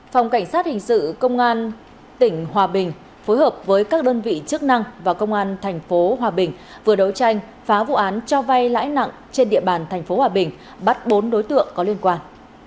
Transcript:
phòng cảnh sát hình sự công an tỉnh hòa bình phối hợp với các đơn vị chức năng và công an thành phố hòa bình vừa đấu tranh phá vụ án cho vay lãi nặng trên địa bàn tp hòa bình bắt bốn đối tượng có liên quan